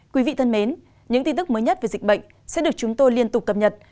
quý vị thân mến những tin tức mới nhất về dịch bệnh sẽ được chúng tôi liên tục cập nhật